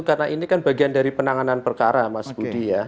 karena ini kan bagian dari penanganan perkara mas budi ya